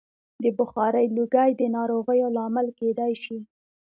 د بخارۍ لوګی د ناروغیو لامل کېدای شي.